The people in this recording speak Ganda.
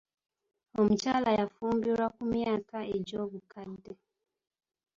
Omukyala yafunbirwa ku myaka egy'obukadde.